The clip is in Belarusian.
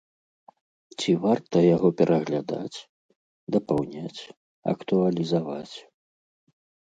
Ці варта яго пераглядаць, дапаўняць, актуалізаваць?